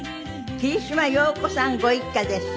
桐島洋子さんご一家です。